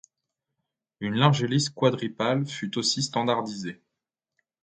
Une large hélice quadripale fut aussi standardisée.